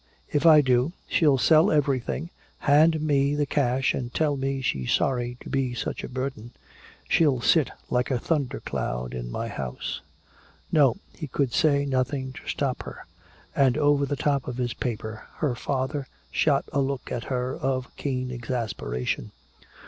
If I do she'll sell everything, hand me the cash and tell me she's sorry to be such a burden. She'll sit like a thundercloud in my house." No, he could say nothing to stop her. And over the top of his paper her father shot a look at her of keen exasperation.